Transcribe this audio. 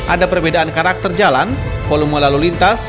ada perbedaan karakter jalan volume lalu lintas